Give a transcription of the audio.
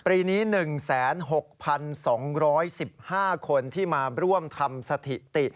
ปีนี้๑๖๒๑๕คนที่มาร่วมทำสถิติ